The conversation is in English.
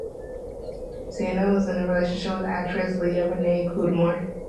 Zano is in a relationship with actress Leah Renee Cudmore.